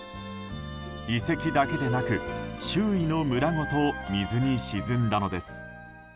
遺跡だけでなく周囲の村ごと水に沈んだのです。